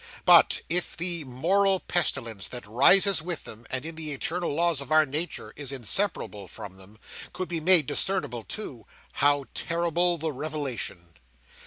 But if the moral pestilence that rises with them, and in the eternal laws of our Nature, is inseparable from them, could be made discernible too, how terrible the revelation!